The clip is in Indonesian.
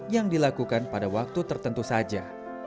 yang dilakukan pada waktu tertentu saja